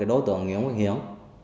đối tượng nguyễn văn hiền